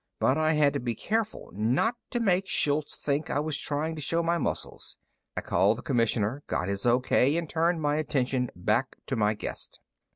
But I had to be careful not to make Shultz think I was trying to show my muscles. I called the Commissioner, got his O.K., and turned my attention back to my guest.